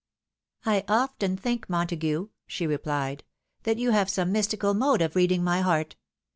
" I often think, Montague," she rephed, " that you have some mystical mode of reading my heart.